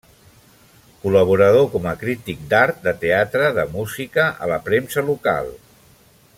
Col·laborador com a crític d'art, de teatre de música a la premsa local.